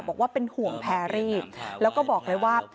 บอกว่าเป็นห่วงแพรรี่แล้วก็บอกเลยว่า